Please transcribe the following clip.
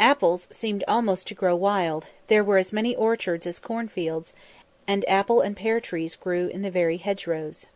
Apples seemed almost to grow wild; there were as many orchards as corn fields, and apple and pear trees grew in the very hedgerows.